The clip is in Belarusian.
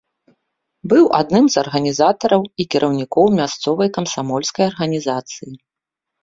Быў адным з арганізатараў і кіраўнікоў мясцовай камсамольскай арганізацыі.